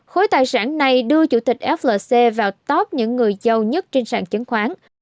khối tài sản này đưa chủ tịch flc vào top những người giàu nhất trên sàn chứng khoán